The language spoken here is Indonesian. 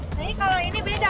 tapi kalau ini beda